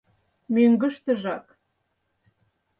— Мӧҥгыштыжак.